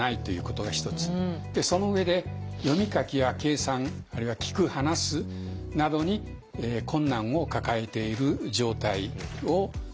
その上で読み書きや計算あるいは聞く話すなどに困難を抱えている状態をいいます。